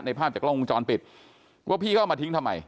ในภาพจากโรงมุมจรปิดก็พี่เขาเอามาทิ้งทำไม